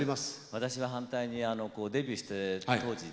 私は反対にデビューして当時ですけどね